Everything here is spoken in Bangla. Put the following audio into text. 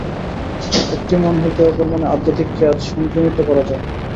একটি মন হইতে অপর মনে আধ্যাত্মিক তেজ সংক্রামিত করা যায়।